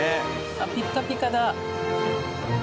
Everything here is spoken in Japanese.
あっピッカピカだ。